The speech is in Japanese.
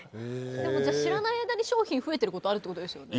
でもじゃあ知らない間に商品増えてる事があるって事ですよね。